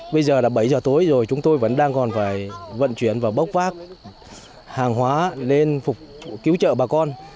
bây giờ là bảy giờ tối rồi chúng tôi vẫn đang còn phải vận chuyển và bốc vác hàng hóa lên phục cứu trợ bà con